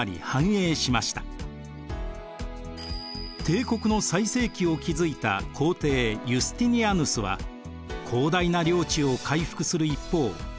帝国の最盛期を築いた皇帝ユスティニアヌスは広大な領地を回復する一方